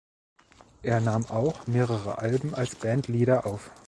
Er nahm auch mehrere Alben als Bandleader auf.